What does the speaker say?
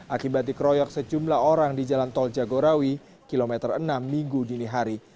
akibat dikeroyok sejumlah orang di jalan tol jagorawi kilometer enam minggu dini hari